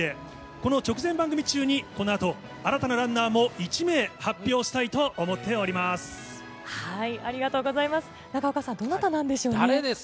この直前番組中に、このあと新たなランナーも１名、発表したいとありがとうございます。